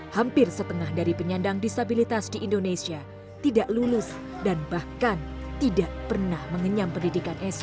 hampir setengah dari penyandang disabilitas di indonesia tidak lulus dan bahkan tidak pernah mengenyam pendidikan sd